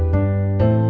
aku mau ke sana